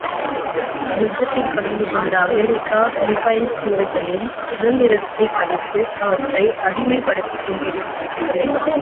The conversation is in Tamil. யுத்தத்தில் கலந்துகொண்ட அமெரிக்கா, பிலிப்பைன்ஸ் தீவுகளின் சுதந்திரத்தைப்பறித்து அவற்றை அடிமைப்படுத்திக் கொண்டிருந்தது.